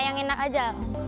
yang enak aja